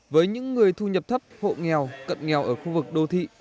với những người thu nhập thấp hộ nghèo cận nghèo ở khu vực đô thị